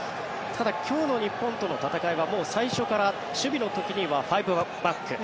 ただ今日の日本との戦いは最初から守備の時には５バック。